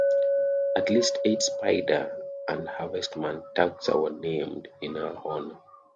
At least eight spider and harvestman taxa were named in her honor.